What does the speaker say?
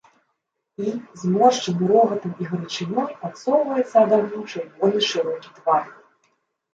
І, зморшчаны рогатам і гарачынёй, адсоўваецца ад агню чырвоны шырокі твар.